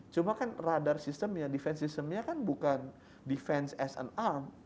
cuma kan radar sistemnya defense systemnya kan bukan defense as and arm